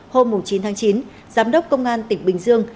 hôm chín tháng chín giám đốc công an tỉnh bình dương